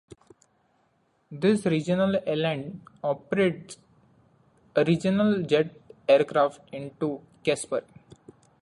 These regional airlines operate regional jet aircraft into Casper.